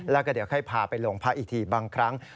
แล้วก็เดี๋ยวให้พาไปโรงพักอีกทีบางครั้ง